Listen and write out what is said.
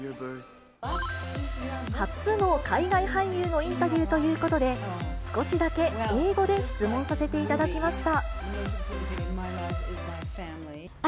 初の海外俳優のインタビューということで、少しだけ英語で質問させていただきました。